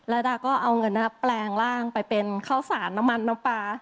แล้วดาก็เอาเงินแปลงร่างไปเป็นข้าวสารน้ำมันน้ำปลา